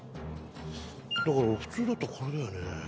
だから普通だとこれだよね。